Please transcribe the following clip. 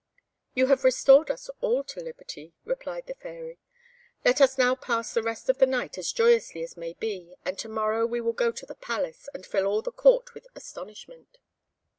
"You have restored us all to liberty," replied the Fairy; "let us now pass the rest of the night as joyously as may be, and to morrow we will go to the Palace, and fill all the Court with astonishment."